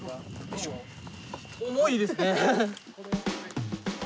重いですね。